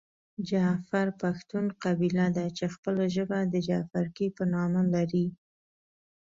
جعفر پښتون قبیله ده چې خپله ژبه د جعفرکي په نامه لري .